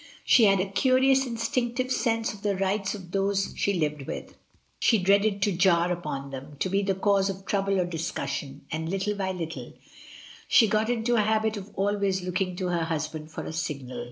She had a curious, instinctive sense of the rights of those she lived with. She dreaded to jar upon them, to be the cause of trouble or discussion. And little by little she got into a habit of always looking to her husband for a signal.